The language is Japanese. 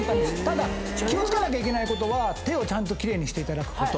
ただ気を付けなきゃいけないことは手をちゃんと奇麗にしていただくこと。